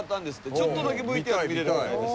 ちょっとだけＶＴＲ見られるみたいです。